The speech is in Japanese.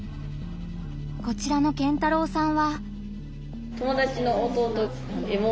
こちらのけんたろうさんは。